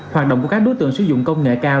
hoạt động của các đối tượng sử dụng công nghệ cao